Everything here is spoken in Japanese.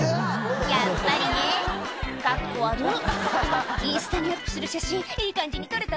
やっぱりねカッコ悪「インスタにアップする写真いい感じに撮れた？